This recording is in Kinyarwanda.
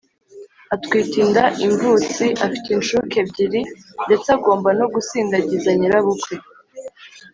Atwite inda imvutsi, afite inshuke ebyiri ndetse agomba no gusindagiza nyirabukwe